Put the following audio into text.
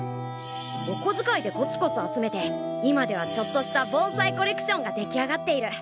お小づかいでコツコツ集めて今ではちょっとした盆栽コレクションが出来上がっている。